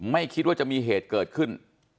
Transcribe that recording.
ไม่คิดว่าจะมีเหตุเกิดขึ้น